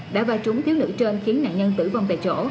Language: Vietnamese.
đã va trúng thiếu nữ trên khiến nạn nhân tử vong tại chỗ